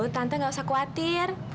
tante nggak usah khawatir